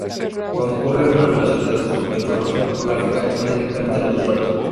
Cuando ocurre una violación de datos, la información geográfica expone directamente a los usuarios.